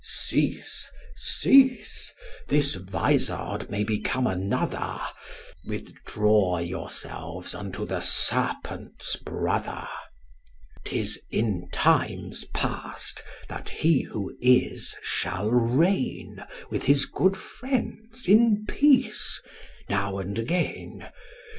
Cease, cease, this vizard may become another, Withdraw yourselves unto the serpent's brother. 'Tis in times past, that he who is shall reign With his good friends in peace now and again.